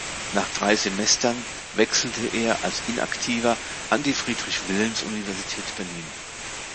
Nach drei Semestern wechselte er als Inaktiver an die Friedrich-Wilhelms-Universität Berlin.